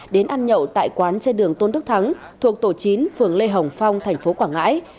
đến ăn nhậu tại quán trên đường tôn đức thắng thuộc tổ chín phường lê hồng phong thành phố quảng ngãi